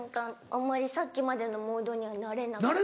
あんまりさっきまでのモードにはなれなくて。